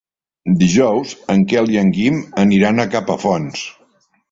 Dijous en Quel i en Guim aniran a Capafonts.